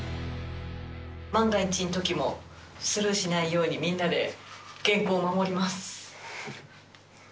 万が一のときも、スルーしないように、みんなで原稿を守ります。